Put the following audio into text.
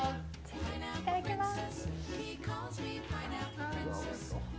いただきます。